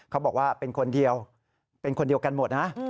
เขาบอกว่าเป็นคนเดียวกันหมดนะครับ